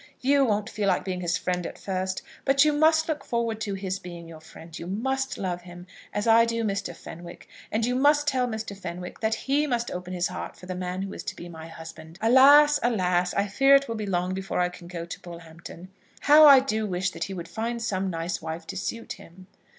You won't feel like being his friend at first, but you must look forward to his being your friend; you must love him as I do Mr. Fenwick; and you must tell Mr. Fenwick that he must open his heart for the man who is to be my husband. Alas, alas! I fear it will be long before I can go to Bullhampton. How I do wish that he would find some nice wife to suit him!